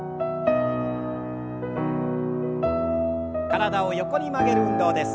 体を横に曲げる運動です。